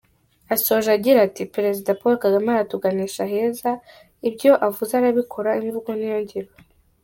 Asoje agira ati “Perezida Paul Kagame aratuganisha heza, ibyo avuze arabikora, imvugo niyo ngiro.